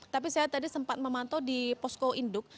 tapi saya tadi sempat memantau di posko induk